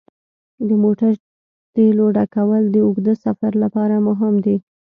د موټر تیلو ډکول د اوږده سفر لپاره مهم دي.